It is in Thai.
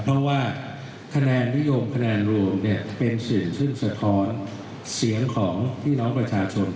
เพราะว่าคะแนนนิยมคะแนนรวมเป็นสื่อซึ่งสะท้อนเสียงของพี่น้องประชาชน